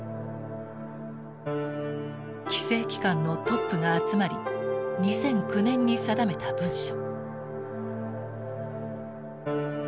規制機関のトップが集まり２００９年に定めた文書。